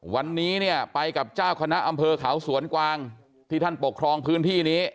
วันนี้เนี่ยไปกับเจ้าคณะอำเภอเขาสวนกวางที่ท่านปกครองพื้นที่นี้